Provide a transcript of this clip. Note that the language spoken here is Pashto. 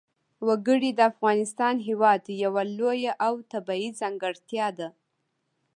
وګړي د افغانستان هېواد یوه لویه او طبیعي ځانګړتیا ده.